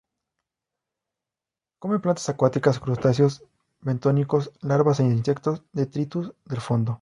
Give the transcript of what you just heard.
Come plantas acuáticas, crustáceos bentónicos, larvas de insectos, detritus del fondo.